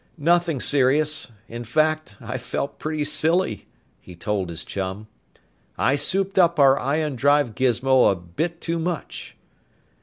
"Nothing serious. In fact, I felt pretty silly," he told his chum. "I souped up our ion drive gizmo a bit too much."